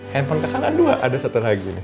handphone kak kak dua ada satu lagi nih